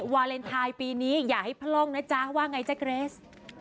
วาเลนไทยปีนี้อย่าให้พร่องนะจ๊ะว่าไงจ๊ะเกรส